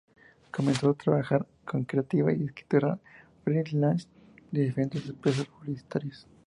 Comenzó a trabajar como creativa y escritora "free lance" de diferentes empresas publicitarias.